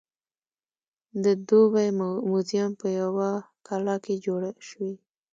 د دوبۍ موزیم په یوه کلا کې جوړ شوی.